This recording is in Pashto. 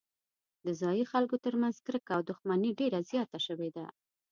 د ځايي خلکو ترمنځ کرکه او دښمني ډېره زیاته شوې ده.